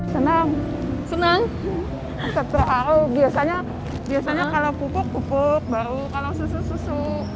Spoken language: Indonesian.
senang seterau biasanya kalau pupuk pupuk bau kalau susu susu